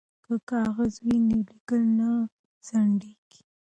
که کاغذ وي نو لیکل نه ځنډیږي.